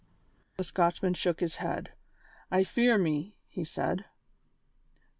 The Scotchman shook his head. "I fear me " he said.